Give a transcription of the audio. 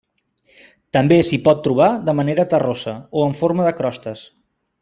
També s'hi pot trobar de manera terrosa o en forma de crostes.